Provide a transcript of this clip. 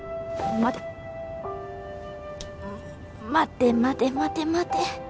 待て待て待て待て。